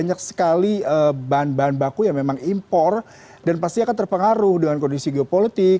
banyak sekali bahan bahan baku yang memang impor dan pasti akan terpengaruh dengan kondisi geopolitik